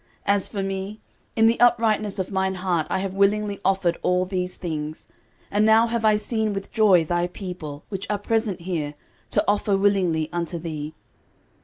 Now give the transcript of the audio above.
As for me, in the uprightness of mine heart I have willingly offered all these things: and now have I seen with joy thy people, which are present here, to offer willingly unto thee.